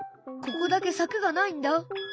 ここだけさくがないんだ。